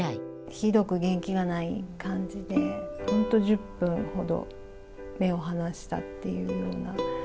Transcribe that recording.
ひどく元気がない感じで、本当１０分ほど目をはなしたっていうような。